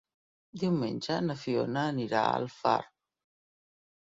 Diumenge na Fiona anirà a Alfarb.